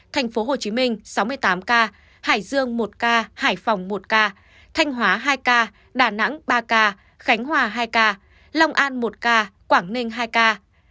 thành phố hồ chí minh sáu mươi tám ca hải dương một ca hải phòng một ca thanh hóa hai ca đà nẵng ba ca khánh hòa hai ca long an một ca quảng ninh hai ca